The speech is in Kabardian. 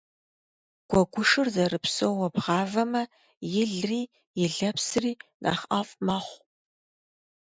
Гуэгушыр зэрыпсоуэ бгъавэмэ, илри и лэпсри нэхъ ӏэфӏ мэхъу.